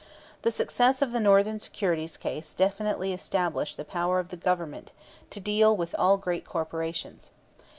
The success of the Northern Securities case definitely established the power of the Government to deal with all great corporations.